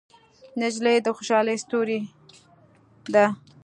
نجلۍ د خوشحالۍ ستورې ده.